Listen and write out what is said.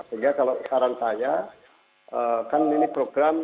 sehingga kalau saran saya kan ini program